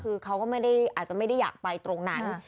คือเขาก็ไม่ได้อาจจะไม่ได้อยากไปตรงนั้น